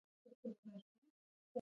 ډوپامين چې کم شي نو د انسان څوشالي